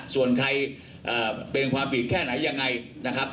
ส่วนใครเป็นความผิดแค่ไหนยังไงนะครับ